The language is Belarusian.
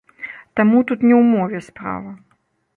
Таму тут не ў мове справа.